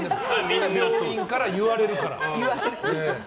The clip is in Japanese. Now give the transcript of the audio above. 病院から言われるから。